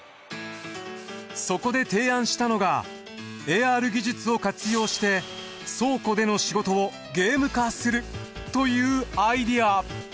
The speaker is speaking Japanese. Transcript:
そこで提案したのがＡＲ技術を活用して倉庫での仕事をゲーム化するというアイデア。